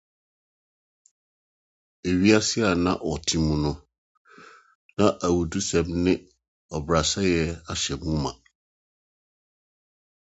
Wiase a na wɔte mu no, na awudisɛm ne ɔbrasɛe ahyɛ mu mã.